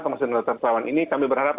termasuk penyelenggaraan ini kami berharap